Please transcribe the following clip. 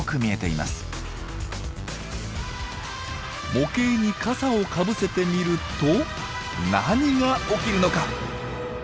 模型に傘をかぶせてみると何が起きるのか。